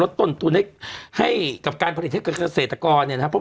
สนตรุนให้กับการผลิติเศรษฐกรเนี่ยนะครับ